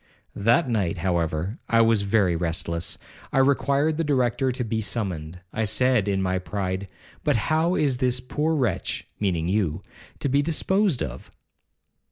That night, however, I was very restless. I required the Director to be summoned. I said in my pride, 'But how is this poor wretch (meaning you) to be disposed of?'